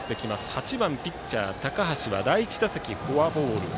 ８番、ピッチャー高橋は第１打席フォアボール。